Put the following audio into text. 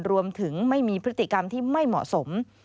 รวมถึงไม่มีพฤติกรรมที่ไม่เหมาะสม